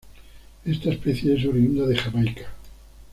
Esta especie es oriunda de Jamaica.